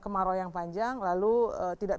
kemarau yang panjang lalu tidak